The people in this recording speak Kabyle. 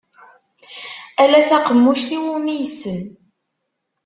Ala taqemmuc iwumi yessen.